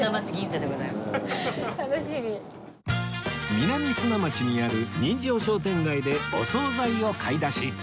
南砂町にある人情商店街でお総菜を買い出し